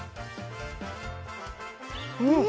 うん！